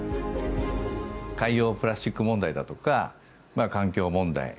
海洋プラスチック問題だとか環境問題。